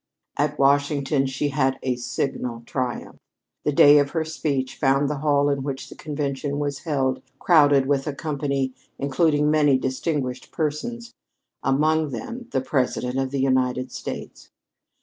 At Washington she had a signal triumph. The day of her speech found the hall in which the convention was held crowded with a company including many distinguished persons among them, the President of the United States.